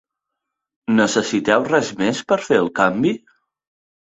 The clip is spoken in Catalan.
Necessiteu res més per fer el canvi?